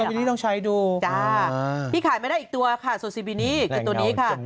โซซีบินี่ลองใช้ดูพี่ขายไม่ได้อีกตัวค่ะโซซีบินี่ก็ตัวนี้ค่ะ